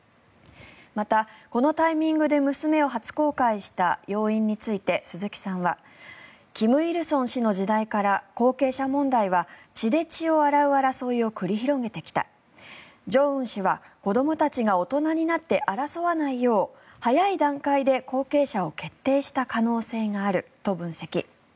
また、このタイミングで娘を初公開した要因について鈴木さんは金日成氏の時代から後継者問題は血で血を洗う争いを繰り広げてきた正恩氏は子どもたちが大人になって争わないよう早い段階で後継者を決定した可能性があると分析。